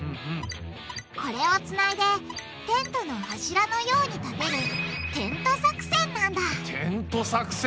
これをつないでテントの柱のように立てる「テント作戦」なんだテント作戦！